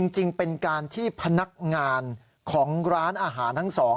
จริงเป็นการที่พนักงานของร้านอาหารทั้งสอง